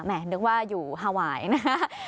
นึกว่าอยู่ฮาวายนะฮะ